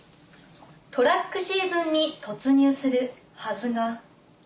トラックシーズンに突入する、はずが」。